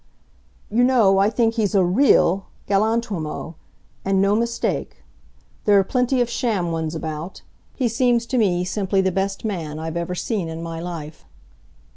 "You know I think he's a REAL galantuomo 'and no mistake.' There are plenty of sham ones about. He seems to me simply the best man I've ever seen in my life."